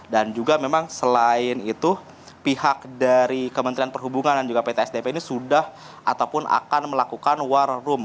dan juga memang selain itu pihak dari kementerian perhubungan dan juga pt sdp ini sudah ataupun akan melakukan war room